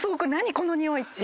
このにおい！って。